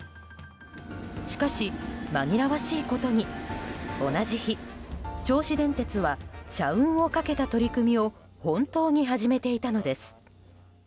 しかし紛らわしいことに同じ日、銚子電鉄は社運をかけた取り組みを本当に始めていたのです。